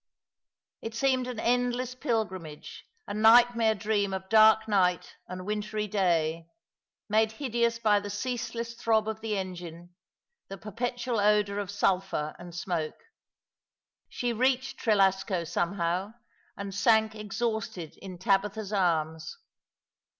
It seemed an endless pilgrimage, a nightmare dream of dark night and wintry day, made hideous by the ceaseless throb of the engine, the perpetual odour of sulphur and smoke. She reached Trelasco somehow, and sank exhausted in Tabitha's arms.